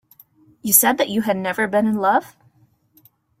You said that you had never been in love?